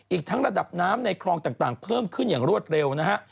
อีกทั้งระดับน้ำในคลองต่างเพิ่มขึ้นอย่างรวดเร็วนะฮะ